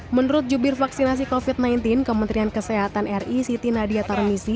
menurut jubir vaksinasi covid sembilan belas kementerian kesehatan ri siti nadia tarmisi